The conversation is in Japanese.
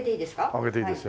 開けていいですよ。